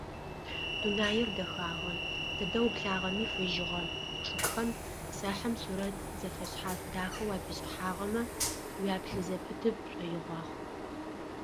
Дунаир дэхагъэ: тыдэ уплъагъэми фыжьыгъэ, чъыгхэм сэхъым сурэт зэфэшъхьаф дахэу апишӏахьыгъэмэ уяплъы зэпыты пшӏоигъуагъ.